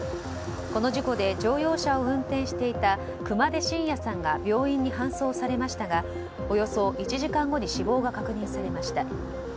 この事故で乗用車を運転していた熊手信也さんが病院に搬送されましたがおよそ１時間後に死亡が確認されました。